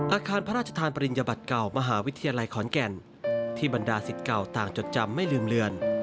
อาคารพระราชทานปริญญบัติเก่ามหาวิทยาลัยขอนแก่นที่บรรดาศิษย์เก่าต่างจดจำไม่ลืมเลือน